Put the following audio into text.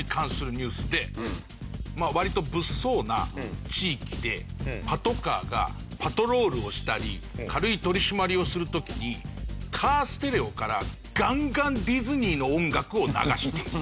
割と物騒な地域でパトカーがパトロールをしたり軽い取り締まりをする時にカーステレオからガンガンディズニーの音楽を流している。